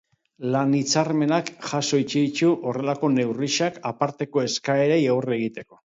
Lan-hitzarmenak jaso egiten ditu horrelako neurriak, aparteko eskaerei aurre egiteko.